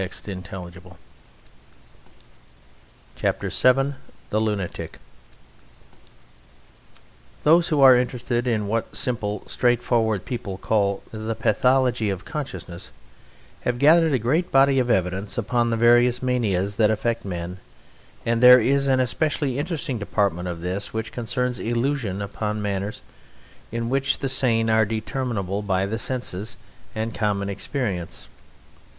And it does not take so very long. The Lunatic Those who are interested in what simple straightforward people call the Pathology of Consciousness have gathered a great body of evidence upon the various manias that affect men, and there is an especially interesting department of this which concerns illusion upon matters which in the sane are determinable by the senses and common experience.